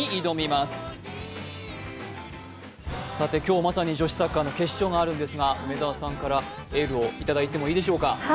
今日まさに女子サッカーの決勝があるんですが梅澤さんからエールをいただいてもいいでしょうか。